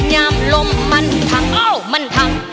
แย่มลมมันทังอ้าวมันทัง